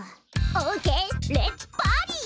オーケーレッツパーティー！